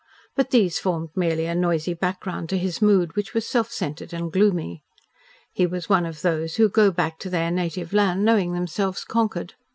But these formed merely a noisy background to his mood, which was self centred and gloomy. He was one of those who go back to their native land knowing themselves conquered.